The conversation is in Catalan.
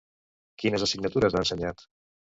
Quines assignatures ha ensenyat?